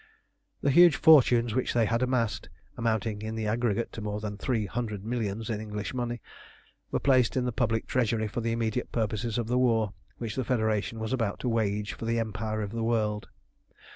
The huge fortunes which they had amassed, amounting in the aggregate to more than three hundred millions in English money, were placed in the public treasury for the immediate purposes of the war which the Federation was about to wage for the empire of the world.